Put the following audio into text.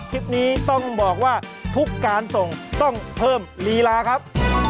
คลิปนี้ต้องบอกว่าทุกการส่งต้องเพิ่มลีลาครับ